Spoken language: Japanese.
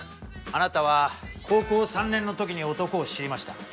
あなたは高校３年の時に男を知りました。